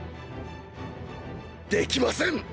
できません。